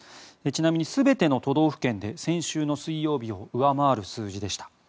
ちなみに全ての都道府県で先週の水曜日を上回る数字でした。